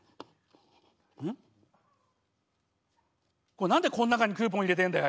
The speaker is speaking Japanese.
これ何でこん中にクーポン入れてんだよ